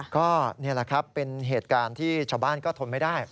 ก็นี่แหละครับเป็นเหตุการณ์ที่ชาวบ้านก็ทนไม่ได้